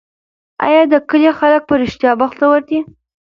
آیا د کلي خلک په رښتیا بختور دي؟